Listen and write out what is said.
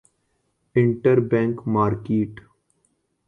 inter bank market